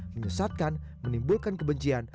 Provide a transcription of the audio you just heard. menyesatkan menimbulkan kebencian